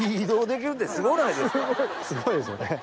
すごいですよね。